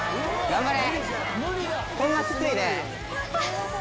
頑張れ！